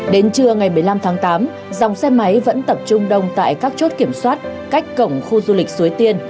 đến trưa ngày một mươi năm tháng tám dòng xe máy vẫn tập trung đông tại các chốt kiểm soát cách cổng khu du lịch suối tiên